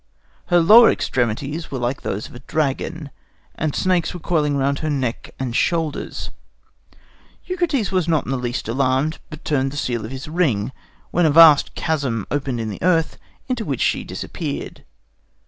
Her lower extremities were like those of a dragon, and snakes were coiling round her neck and shoulders. Eucrates was not in the least alarmed, but turned the seal of his ring, when a vast chasm opened in the earth, into which she disappeared.